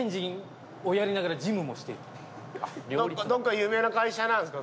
どこか有名な会社なんですか？